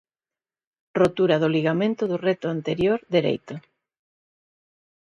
Rotura do ligamento do recto anterior dereito.